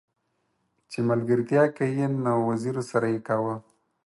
چې ملګرتيا کې نه وزيرو سره يې کاوه.